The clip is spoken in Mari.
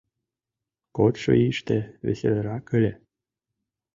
Кодшо ийыште веселарак ыле.